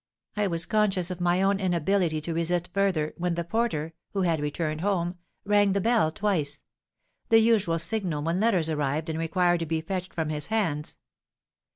I was conscious of my own inability to resist further, when the porter, who had returned home, rang the bell twice, the usual signal when letters arrived and required to be fetched from his hands.